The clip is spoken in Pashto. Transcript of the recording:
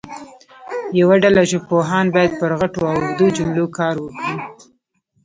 یوه ډله ژبپوهان باید پر غټو او اوږدو جملو کار وکړي.